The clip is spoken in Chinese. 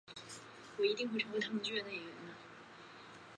乔治亚语在动词单复数和名词单复数间有些区别。